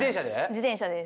自転車で？